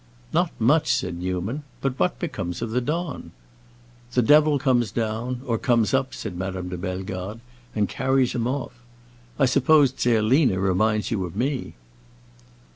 "Not much!" said Newman. "But what becomes of the Don?" "The devil comes down—or comes up," said Madame de Bellegarde, "and carries him off. I suppose Zerlina reminds you of me."